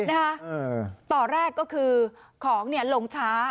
นะคะต่อแรกก็คือของลงช้า